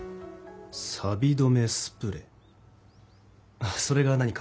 サビ止めスプレーそれが何か？